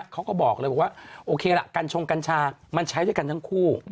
เขาก็บอกเลยว่าโอเคละกัญชงกัญชามันใช้ด้วยกันทั้งคู่